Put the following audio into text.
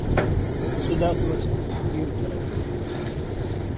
Сюда относится и биотерроризм.